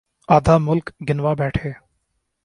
آدھا ملک گنوا بیٹھے۔